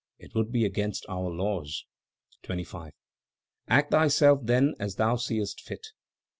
It would be against our laws. 25. "Act thyself, then, as thou seest fit."